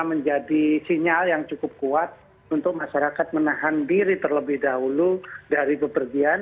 menjadi sinyal yang cukup kuat untuk masyarakat menahan diri terlebih dahulu dari bepergian